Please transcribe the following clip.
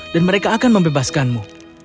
dan mereka akan membebaskanmu